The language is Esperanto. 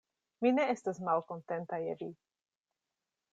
Mi ne estas malkontenta je vi.